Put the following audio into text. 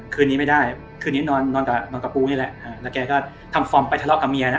คืนนี้ไม่ได้คืนนี้นอนกับนอนตะปูนี่แหละแล้วแกก็ทำฟอร์มไปทะเลาะกับเมียนะ